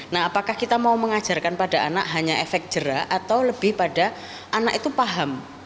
nah apakah kita mau mengajarkan pada anak hanya efek jerak atau lebih pada anak itu paham